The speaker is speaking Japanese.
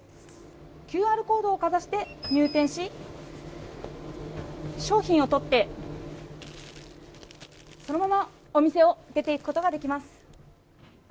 ＱＲコードをかざして入店し商品を取って、そのままお店を出て行くことができます。